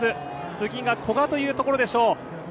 次が古賀というところでしょう。